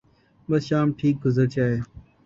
بس شام ٹھیک گزر جائے۔